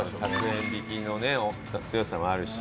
１００円引きのね強さもあるし。